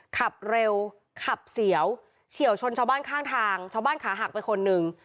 ขับเร็วขับเสียวเฉียวชนชาวบ้านข้างทางชาวบ้านขาหักไปคนหนึ่ง